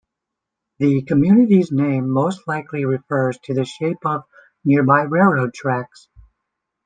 The community's name most likely refers to the shape of nearby railroad tracks.